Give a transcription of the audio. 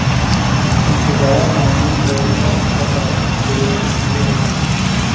انتظار نامی لڑکے کا قتل دیکھ لیجیے۔